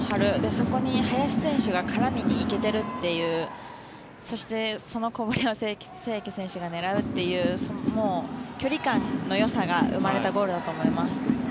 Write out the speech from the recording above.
そこに林選手が絡みに行けているというそして、そのこぼれ球を清家選手が狙うという距離感のよさが生まれたゴールだと思います。